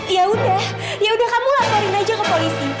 ya sudah ya sudah kamu laporin saja ke polisi